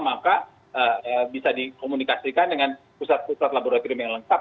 maka bisa dikomunikasikan dengan pusat pusat laboratorium yang lengkap